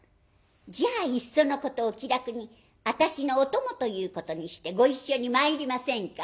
「じゃあいっそのことお気楽に私のお供ということにしてご一緒に参りませんか？」。